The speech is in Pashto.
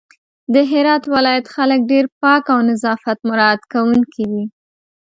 د هرات ولايت خلک ډېر پاک او نظافت مرعت کونکي دي